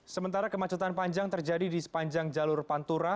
sementara kemacetan panjang terjadi di sepanjang jalur pantura